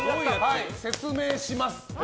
説明しますと。